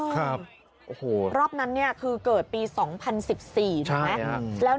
โอ้โหรอบนั้นเกิดปี๒๐๑๔ใช่มั้ย